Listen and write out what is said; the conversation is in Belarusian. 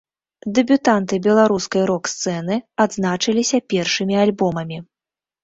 Дэбютанты беларускай рок-сцэны адзначыліся першымі альбомамі.